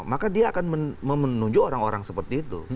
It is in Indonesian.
maka dia akan menunjuk orang orang seperti itu